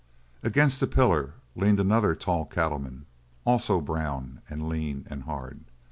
Against a pillar leaned another tall cattleman, also brown and lean and hard.